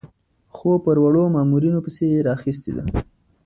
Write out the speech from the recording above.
خو پر وړو مامورینو پسې یې راخیستې ده.